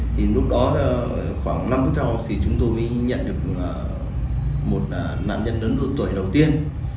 thì lúc đó khoảng năm phút sau thì chúng tôi mới nhận được một nạn nhân lớn độ tuổi đầu tiên